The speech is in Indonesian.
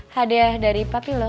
hadiah dari papi lo